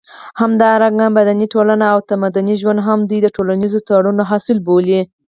همدارنګه مدني ټولنه او تمدني ژوند هم دوی د ټولنيز تړون حاصل بولي